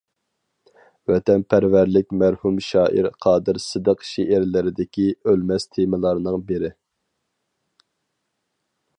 ۋەتەنپەرۋەرلىك مەرھۇم شائىر قادىر سىدىق شېئىرلىرىدىكى ئۆلمەس تېمىلارنىڭ بىرى.